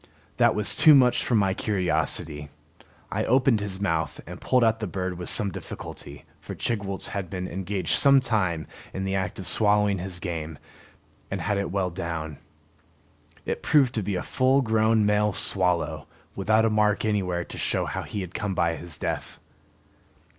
That was too much for my curiosity. I opened his mouth and pulled out the bird with some difficulty, for Chigwooltz had been engaged some time in the act of swallowing his game and had it well down. It proved to be a full grown male swallow, without a mark anywhere to show how he had come by his death.